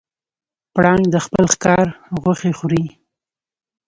پړانګ د خپل ښکار غوښې خوري.